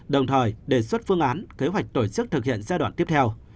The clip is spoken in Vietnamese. đồng thời đề xuất phương án kế hoạch tổ chức thực hiện giai đoạn tiếp theo